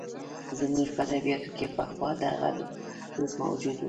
زموږ په ادبیاتو کې پخوا دغه دود موجود و.